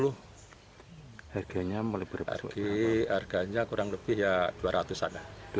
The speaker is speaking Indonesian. harganya kurang lebih dua ratus an